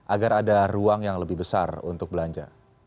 agar ada ruang yang lebih besar untuk belanja